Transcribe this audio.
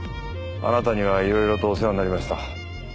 あなたにはいろいろとお世話になりました。